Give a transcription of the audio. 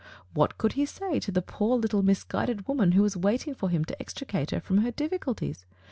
What could he say to the poor, little, mis guided woman who was waiting for him to extri cate her from her difficulties?